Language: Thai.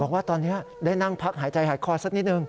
บอกว่าตอนนี้ได้นั่งพักหายใจหายคอสักนิดนึง